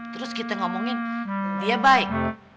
terus kita ngomongin dia baik